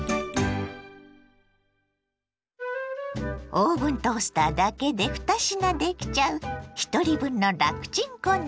オーブントースターだけで２品できちゃうひとり分の楽チン献立。